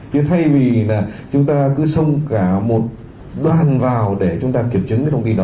thế thay vì là chúng ta cứ xông cả một đoàn vào để chúng ta kiểm chứng cái thông tin đó